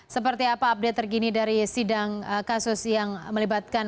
seperti apa update terkini dari sidang kasus yang melibatkan